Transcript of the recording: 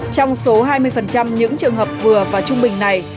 trong số hai mươi những trường hợp vừa và trung bình này